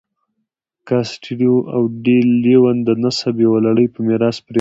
کاسټیلو او ډي لیون د نسب یوه لړۍ په میراث پرېښوده.